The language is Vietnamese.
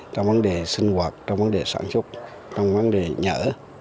trong vấn đề sinh hoạt trong vấn đề sản xuất trong vấn đề nhở